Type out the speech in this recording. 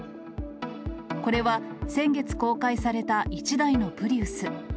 これは、先月公開された１台のプリウス。